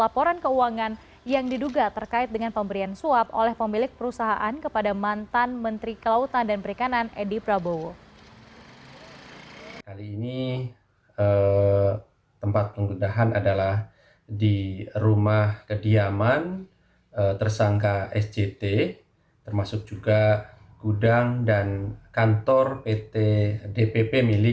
penyidik menemukan sejumlah dokumen dan bukti